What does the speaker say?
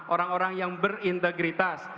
orang orang yang berintegritas